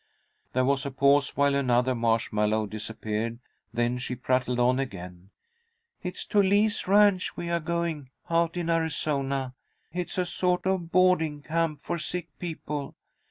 There was a pause while another marshmallow disappeared, then she prattled on again. "It's to Lee's Ranch we are going, out in Arizona. It's a sort of boarding camp for sick people.